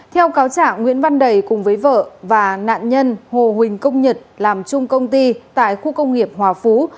theo cáo trả nguyễn văn đầy cùng với vợ và nạn nhân hồ huỳnh công nhật làm chung công ty tại khu công nghiệp hòa phú